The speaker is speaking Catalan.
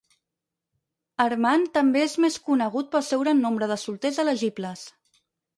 Herman també és més conegut pel seu gran nombre de solters elegibles.